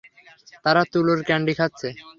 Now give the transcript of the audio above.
তারা তুলোর ক্যান্ডি খাচ্ছে।